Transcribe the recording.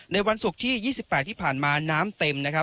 ในวันศุกร์ที่๒๘ที่ผ่านมาน้ำเต็ม